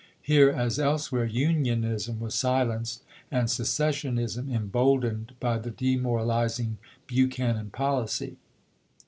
Here as elsewhere unionism was silenced and secessionism emboldened by the demoralizing Buchanan policy.